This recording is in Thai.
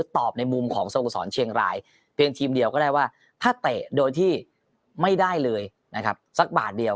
ตอบในมุมของสโมสรเชียงรายเพียงทีมเดียวก็ได้ว่าถ้าเตะโดยที่ไม่ได้เลยนะครับสักบาทเดียว